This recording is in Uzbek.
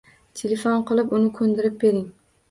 Telefon qilib, uni koʻndirib bering.